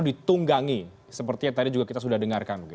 ditunggangi seperti yang tadi juga kita sudah dengarkan